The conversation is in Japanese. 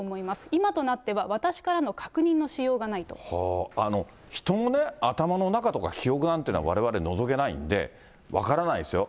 今となっては私からの確認のしよ人のね、頭の中とか記憶なんてのはわれわれのぞけないんで、分からないですよ。